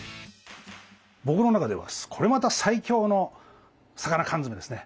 僕の中ではこれまた最強の魚缶詰ですね。